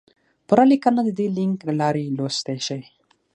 پوره لیکنه د دې لینک له لارې لوستی شئ!